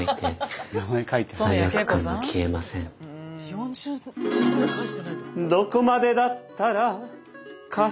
４０年ぐらい返してないってこと？